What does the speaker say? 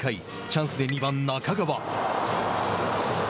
チャンスで２番中川。